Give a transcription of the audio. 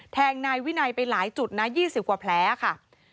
แทงนายวินัยไปหลายจุดนะ๒๐กว่าแผลค่ะ